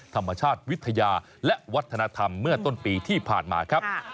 ธรรมชาติวิทยาและวัฒนธรรมเมื่อต้นปีที่ผ่านมาครับ